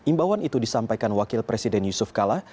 imbauan itu disampaikan wakil presiden yusuf kala